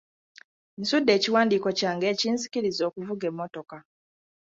Nsudde ekiwandiiko kyange ekinzikiriza okuvuga emmotoka.